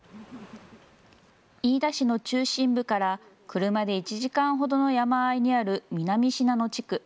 飯田市の中心部から車で１時間ほどの山あいにある南信濃地区。